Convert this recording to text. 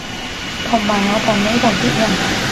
同埋我同呢度啲人